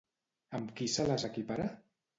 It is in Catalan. Amb qui se les equipara?